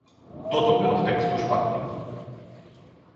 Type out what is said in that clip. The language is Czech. Toto bylo v textu špatně.